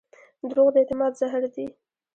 دروغ د اعتماد زهر دي.